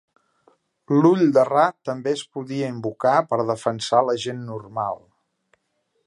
L'Ull de Ra també es podia invocar per defensar la gent normal.